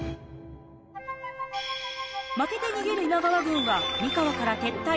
負けて逃げる今川軍は三河から撤退。